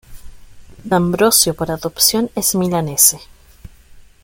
D'Ambrosio por adopción es milanese.